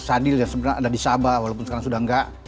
sadil yang sebenarnya ada di sabah walaupun sekarang sudah enggak